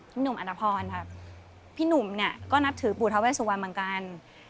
พี่หนุ่มอันตรภรพี่หนุ่มเนี่ยก็นับถือปูเท้าแวดสุวรรค์เหมือนกัน